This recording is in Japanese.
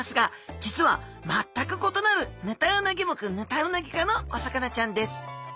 実は全く異なるヌタウナギ目ヌタウナギ科のお魚ちゃんです。